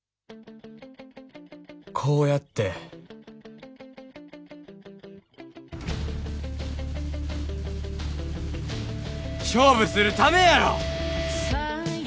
こうやって勝負するためやろ！